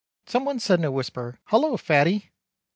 Some one said in a wisper Hullo Fatty.